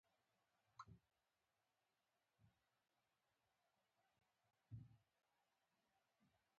د کینیزیولوژي پروفیسور ایډ میرټ وايي